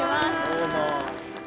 どうも。